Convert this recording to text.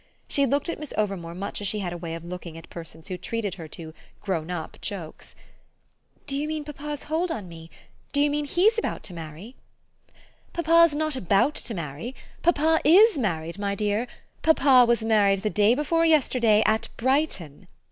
She looked at Miss Overmore much as she had a way of looking at persons who treated her to "grown up" jokes. "Do you mean papa's hold on me do you mean HE'S about to marry?" "Papa's not about to marry papa IS married, my dear. Papa was married the day before yesterday at Brighton."